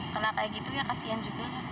karena kayak gitu ya kasian juga